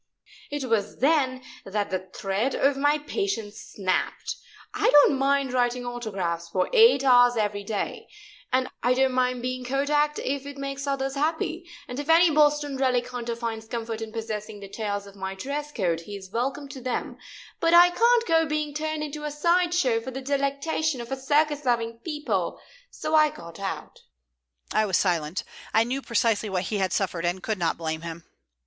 "It was then that the thread of my patience snapped. I don't mind writing autographs for eight hours every day; I don't mind being kodaked if it makes others happy; and if any Boston relic hunter finds comfort in possessing the tails of my dress coat he is welcome to them; but I can't go being turned into a side show for the delectation of a circus loving people, so I got out." I was silent. I knew precisely what he had suffered, and could not blame him.